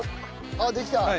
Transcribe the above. あっできた！